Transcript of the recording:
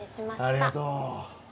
ありがとう。